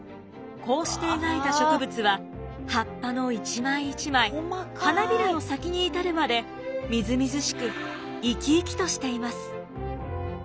こうして描いた植物は葉っぱの一枚一枚花びらの先に至るまでみずみずしく生き生きとしています。